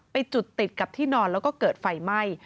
จุดติดกับที่นอนแล้วก็เกิดไฟไหม้